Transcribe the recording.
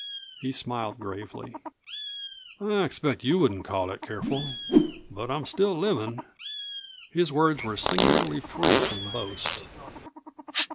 He smiled gravely. "I expect you wouldn't call it careful. But I'm still livin'." His words were singularly free from boast.